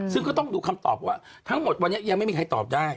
ซึ่งก็ต้องดูคำตอบว่าทั้งหมดวันนี้ยังไม่มีใครตอบได้